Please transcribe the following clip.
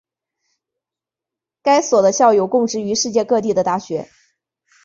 该所的校友供职于世界各地的大学。